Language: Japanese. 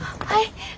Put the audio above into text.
はい。